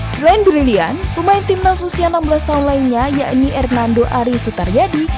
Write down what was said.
selain brilliant pemain tim nasi usia enam belas tahun lainnya yakni hernando ari sutaryadi